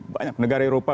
banyak negara eropa